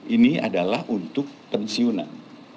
ini adalah untuk pensiunan